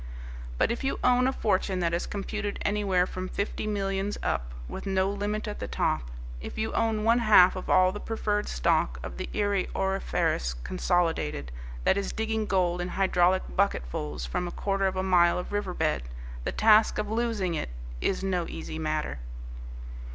But if you own a fortune that is computed anywhere from fifty millions up, with no limit at the top, if you own one half of all the preferred stock of an Erie Auriferous Consolidated that is digging gold in hydraulic bucketfuls from a quarter of a mile of river bed, the task of losing it is no easy matter.